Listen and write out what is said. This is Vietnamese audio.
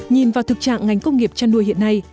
nhìn vào thực trạng ngành công nghiệp chăn nuôi hiện nay